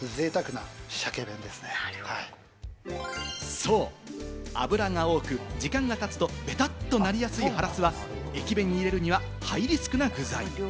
そう、脂が多く、時間がたつとベタッとなりやすいハラスは駅弁に入れるにはハイリスクな具材。